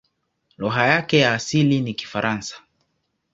Lugha yake ya asili ni Kifaransa.